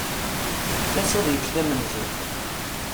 Fket-as ad yečč d amenzu.